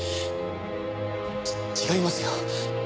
ち違いますよ。